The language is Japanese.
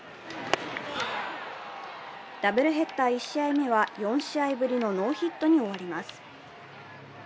ダブルヘッダー１試合目は４試合ぶりのノーヒットに終わります。